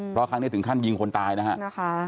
เพราะครั้งนี้ถึงขั้นยิงคนตายนะฮะ